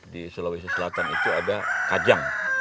di sulawesi selatan itu ada kajang